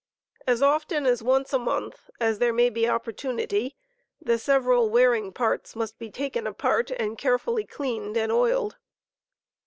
As often as once a month (as there may be opportunity) the several wearing parts must be taken apart and carefully cleaned and oiled.